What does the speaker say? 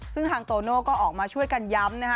ซึ่งทางโตโน่ก็ออกมาช่วยกันย้ำนะคะ